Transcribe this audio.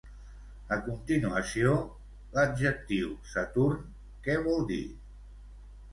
A continuació, l'adjectiu saturn què vol dir?